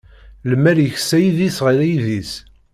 Lmal yeksa idis ɣer yidis.